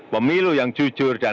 pemilu yang jujur dan